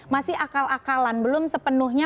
masih akal akalan belum sepenuhnya